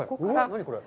何これ？